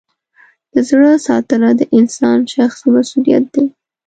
د زړه ساتنه د انسان شخصي مسؤلیت دی.